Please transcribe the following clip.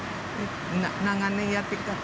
長年やってきたので。